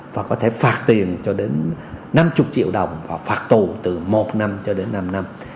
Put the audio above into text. và có thể phạt tiền cho đến năm mươi triệu đồng họ phạt tù từ một năm cho đến năm năm